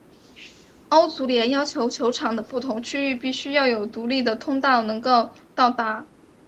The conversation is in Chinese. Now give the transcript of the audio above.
欧足联要求球场的不同区域必须要有独立的通道能够到达。